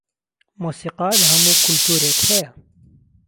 مۆسیقا لەهەموو کولتورێک هەیە